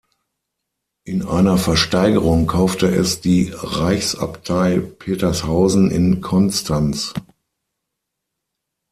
In einer Versteigerung kaufte es die Reichsabtei Petershausen in Konstanz.